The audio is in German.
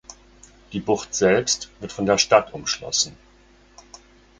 Die Bucht selbst wird von der Stadt umschlossen.